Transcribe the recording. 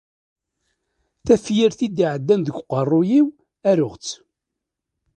Tafyirt i d-iɛeddan deg uqerruy-iw, aruɣ-tt.